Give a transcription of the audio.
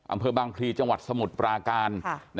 อำเภอบางพลีจังหวัดสมุทรปราการ